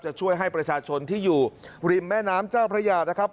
จะช่วยให้ประชาชนที่อยู่ริมแม่น้ำเจ้าพระยานะครับ